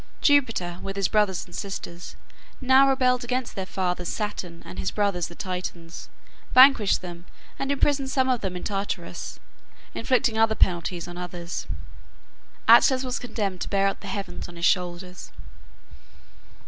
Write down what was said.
Jupiter, with his brothers and sisters, now rebelled against their father Saturn and his brothers the Titans; vanquished them, and imprisoned some of them in Tartarus, inflicting other penalties on others. Atlas was condemned to bear up the heavens on his shoulders.